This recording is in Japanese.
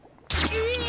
え？